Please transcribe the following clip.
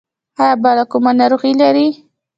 ایا بله کومه ناروغي لرئ؟